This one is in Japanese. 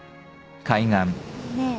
ねえ？